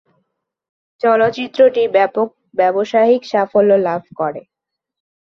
চলচ্চিত্রটি ব্যাপক ব্যবসায়িক সাফল্য লাভ করে।